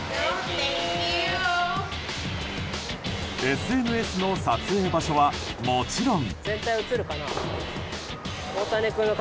ＳＮＳの撮影場所はもちろん。